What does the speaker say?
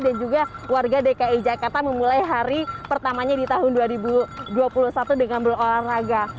dan juga warga dki jakarta memulai hari pertamanya di tahun dua ribu dua puluh satu dengan berolahraga